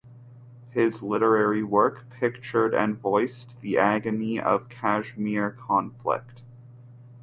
His literary work pictured and voiced the agony of Kashmir conflict.